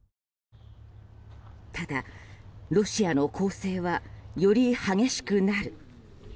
ただ、ロシアの攻勢はより激しくなる。